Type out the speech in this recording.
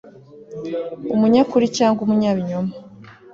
umunyakuri cyangwa umunyabinyoma